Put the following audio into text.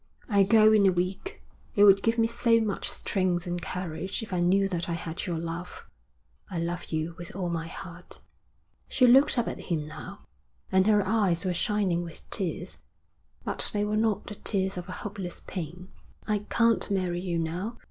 I go in a week. It would give me so much strength and courage if I knew that I had your love. I love you with all my heart.' She looked up at him now, and her eyes were shining with tears, but they were not the tears of a hopeless pain. 'I can't marry you now.